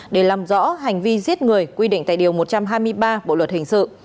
để làm rõ hành vi giết người quy định tại điều một trăm hai mươi ba bộ luật hình sự